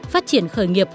phát triển doanh nghiệp